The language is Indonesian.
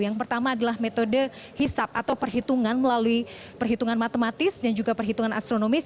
yang pertama adalah metode hisap atau perhitungan melalui perhitungan matematis dan juga perhitungan astronomis